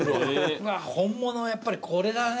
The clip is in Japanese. うわ本物はやっぱりこれだね。